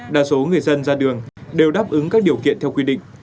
đa số người dân ra đường đều đáp ứng các điều kiện theo quy định